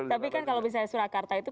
tapi kan kalau misalnya surakarta itu